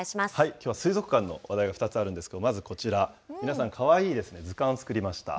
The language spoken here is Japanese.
きょうは水族館の話題が２つあるんですけれども、まずこちら、皆さんかわいいですね、図鑑を作りました。